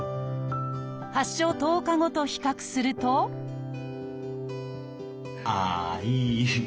発症１０日後と比較するとあいうえお。